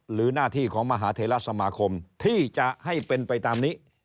หน้าที่ของมหาเทราสมาคมที่จะให้เป็นไปตามนี้